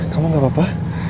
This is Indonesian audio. kamu gak apa apa